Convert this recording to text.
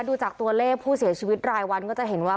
ดูจากตัวเลขผู้เสียชีวิตรายวันก็จะเห็นว่า